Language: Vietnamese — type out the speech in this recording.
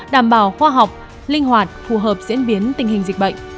đảm bảo khoa học linh hoạt phù hợp diễn biến tình hình dịch bệnh